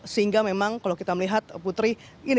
sehingga memang kalau kita melihat putri